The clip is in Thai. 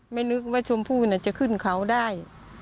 นึกว่าชมพู่จะขึ้นเขาได้